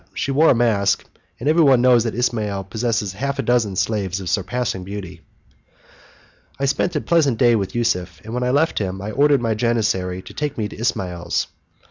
She wore a mask, and everybody knows that Ismail possesses half a dozen slaves of surpassing beauty." I spent a pleasant day with Yusuf, and when I left him, I ordered my janissary to take me to Ismail's.